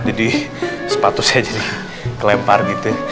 jadi sepatu saya jadi kelempar gitu